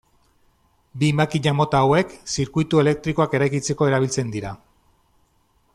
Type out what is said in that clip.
Bi makina mota hauek, zirkuitu elektrikoak eraikitzeko erabiltzen dira.